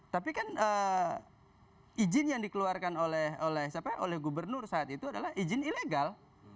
tapi kan izin yang dikeluarkan oleh gubernur saat itu adalah izin ilegal